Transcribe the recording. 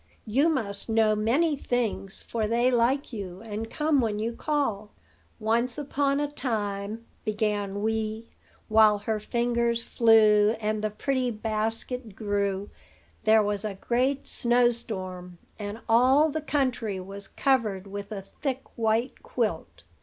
You must know many things; for they like you, and come when you call." "Once upon a time," began Wee, while her fingers flew and the pretty basket grew, "there was a great snow storm, and all the country was covered with a thick white quilt.